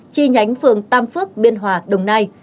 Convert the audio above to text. chi nhánh phường tam phước biên hòa đồng nai